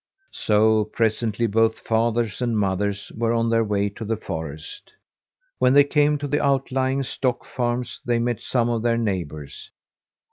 So presently both fathers and mothers were on their way to the forest. When they came to the outlying stock farms they met some of their neighbours.